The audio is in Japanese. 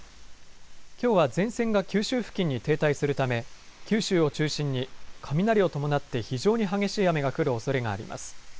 きょうは前線が九州付近に停滞するため九州を中心に雷を伴って非常に激しい雨が降るおそれがあります。